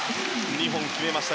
２本決めました。